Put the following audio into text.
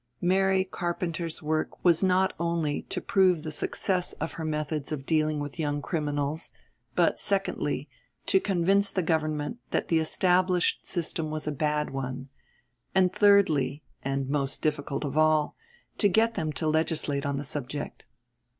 Mary Carpenter's work was not only to prove the success of her methods of dealing with young criminals, but, secondly, to convince the Government that the established system was a bad one, and thirdly, and most difficult of all, to get them to legislate on the subject.